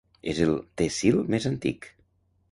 És el tehsil més antic.